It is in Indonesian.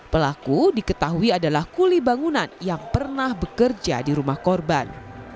pelaku diketahui adalah kuli bangunan yang pernah bekerja di rumah korban